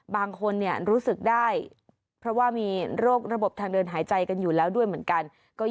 บางคนรู้สึกได้เพราะว่ามีโรคระบบทางเดินหายใจกันอยู่แล้วด้วยเหมือนกัน